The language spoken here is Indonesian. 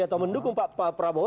atau mendukung pak prabowo